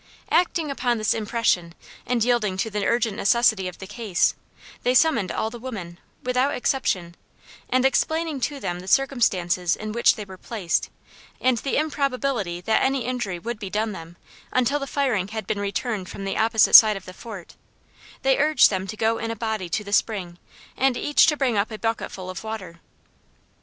] Acting upon this impression, and yielding to the urgent necessity of the case, they summoned all the women, without exception, and explaining to them the circumstances in which they were placed, and the improbability that any injury would be done them, until the firing had been returned from the opposite side of the fort, they urged them to go in a body to the spring, and each to bring up a bucket full of water.